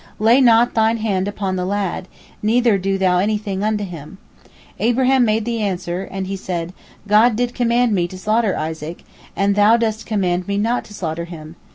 Lay not thine hand upon the lad, neither do thou any thing unto him!" Abraham made answer, and he said: "God did command me to slaughter Isaac, and thou dost command me not to slaughter him!